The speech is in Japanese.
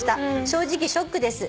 正直ショックです」